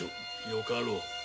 よかろう。